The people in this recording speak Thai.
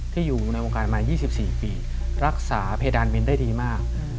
ที่อยู่ในวงการมา๒๔ปีรักษาเพดานบินได้ดีมาก